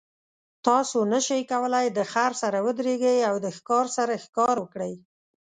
تاسو نشئ کولی د خر سره ودریږئ او د ښکار سره ښکار وکړئ.